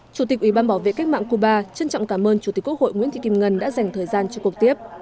chủ tịch ủy ban bảo vệ cách mạng cuba trân trọng cảm ơn chủ tịch quốc hội nguyễn thị kim ngân đã dành thời gian cho cuộc tiếp